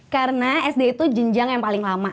karena sd itu jenjang yang paling lama